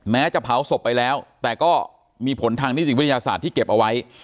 แม้จะเผาศพไปแล้วแต่ก็มีผลทางนิติวิทยาศาสตร์ที่เก็บเอาไว้